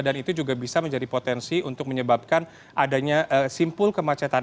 dan itu juga bisa menjadi potensi untuk menyebabkan adanya simpul kemacetan